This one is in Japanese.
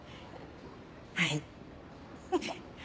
はい。